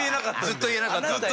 ずっと言えなかったんで。